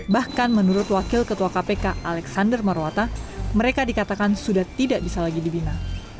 bahkan menurut wakil ketua kpk alexander marwata mereka dikatakan sudah tidak bisa lagi dibina